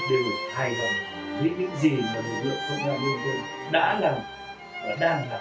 đều hài hòng với những gì lực lượng công an liên hợp đã làm và đang làm